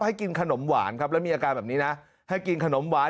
ให้กินขนมหวานครับแล้วมีอาการแบบนี้นะให้กินขนมหวาน